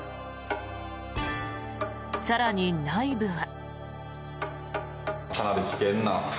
更に内部は。